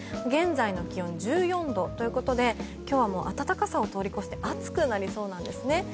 現在の気温は１４度ということで今日は暖かさを通り越して暑くなりそうなんですね。